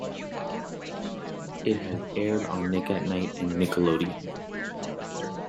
It has aired on Nick at Nite and Nickelodeon.